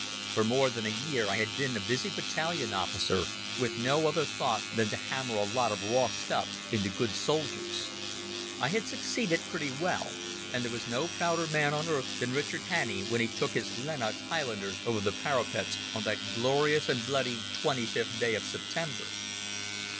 For more than a year I had been a busy battalion officer, with no other thought than to hammer a lot of raw stuff into good soldiers. I had succeeded pretty well, and there was no prouder man on earth than Richard Hannay when he took his Lennox Highlanders over the parapets on that glorious and bloody 25th day of September.